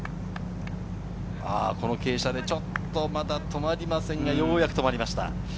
この傾斜でちょっとまだ止まりませんが、ようやく止まりました。